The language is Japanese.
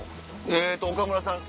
えっと岡村さん